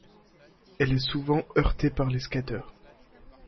Elle est souvent heurtée par les skateurs.